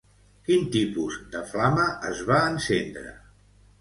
Quin tipus de flama es va encendre?